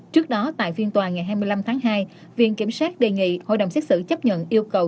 trước đó tại phiên tòa ngày hai mươi năm tháng hai viện kiểm sát đề nghị hội đồng xét xử chấp nhận yêu cầu